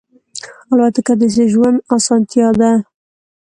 الوتکه د ژوند آسانتیا ده.